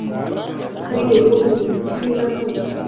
Wigeze wumva umuziki mwiza nkuyu